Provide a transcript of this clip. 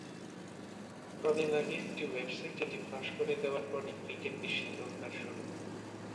কদিন আগে একটি ওয়েবসাইট এটি ফাঁস করে দেওয়ার পরই ক্রিকেট-বিশ্বে তোলপাড় শুরু।